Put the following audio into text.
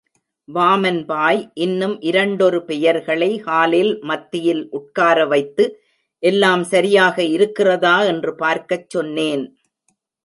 வாமன்பாய், இன்னும் இரண்டொரு பெயர்களை ஹாலில் மத்தியில் உட்கார வைத்து, எல்லாம் சரியாக இருக்கிறதா என்று பார்க்கச் சொன்னேன்.